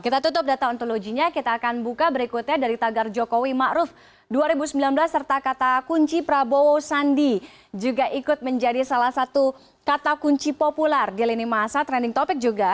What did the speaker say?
kita tutup data ontologinya kita akan buka berikutnya dari tagar jokowi ⁇ maruf ⁇ dua ribu sembilan belas serta kata kunci prabowo sandi juga ikut menjadi salah satu kata kunci populer di lini masa trending topic juga